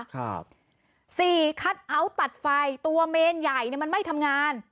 ครับสี่คัทเอาท์ตัดไฟตัวเมนใหญ่เนี่ยมันไม่ทำงาน